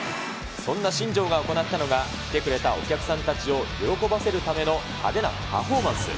そんな新庄が行ったのが、来てくれたお客さんたちを喜ばせるための派手なパフォーマンス。